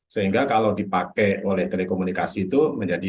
sehingga kalau dipakai oleh telekomunikasi itu menjadi